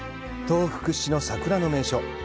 東北屈指の桜の名所。